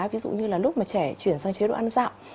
ví dụ như là lúc mà trẻ chuyển sang chế độ ăn dạo